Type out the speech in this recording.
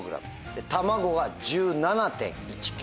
卵は１７．１ｋｇ。